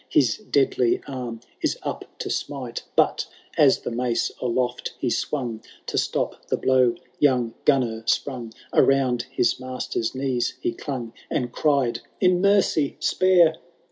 His deadly arm is up to smite I But, as the maoe aloft he swung, To stop the blow young Gunnar sprung. Around his master's knees he clung, And cried, In mercy, spare